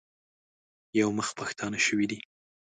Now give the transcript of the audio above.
یو مخ پښتانه شوي دي.